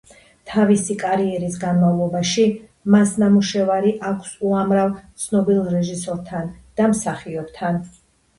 თავისი კარიერის განმავლობაში მას ნამუშევარი აქვს უამრავ ცნობილ რეჟისორთან და მსახიობთან.